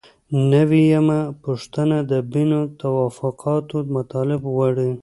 نوي یمه پوښتنه د بن توافقاتو مطالب غواړي.